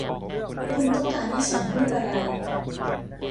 คุณต้องการให้ฉันพูดอะไร ?